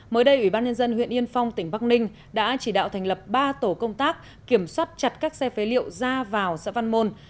mới đây ủy ban nhân dân huyện yên phong tỉnh bắc ninh đã chỉ đạo thành lập ba tổ công tác kiểm soát chặt các xe phế liệu ra vào xã văn môn